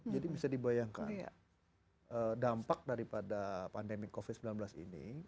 jadi bisa dibayangkan dampak daripada pandemi covid sembilan belas ini